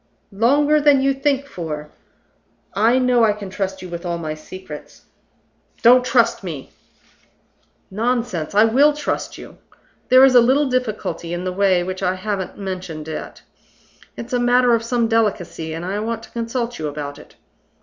"Longer than you think for. I know I can trust you with all my secrets " "Don't trust me!" "Nonsense! I will trust you. There is a little difficulty in the way which I haven't mentioned yet. It's a matter of some delicacy, and I want to consult you about it.